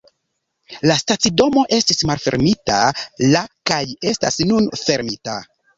La stacidomo estis malfermita la kaj estas nun fermita.